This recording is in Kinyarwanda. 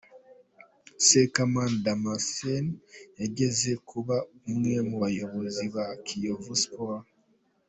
Sekamana Damasenti yigeze kuba umwe mu bayobozi ba Kiyovu Siporo.